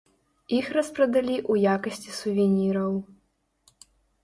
Іх распрадалі ў якасці сувеніраў.